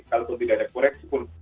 kalaupun tidak ada koreksi pun